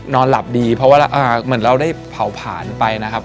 นอนหลับดีเพราะว่าเหมือนเราได้เผาผลาญไปนะครับ